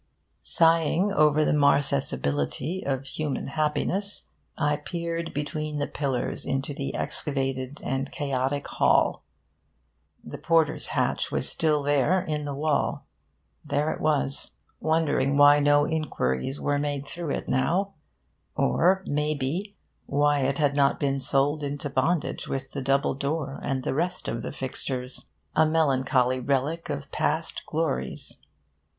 Sighing over the marcescibility of human happiness, I peered between the pillars into the excavated and chaotic hall. The porter's hatch was still there, in the wall. There it was, wondering why no inquiries were made through it now, or, may be, why it had not been sold into bondage with the double door and the rest of the fixtures. A melancholy relic of past glories!